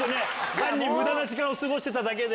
単にむだな時間を過ごしてただけで。